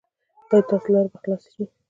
ایا ستاسو لارې به خلاصې شي؟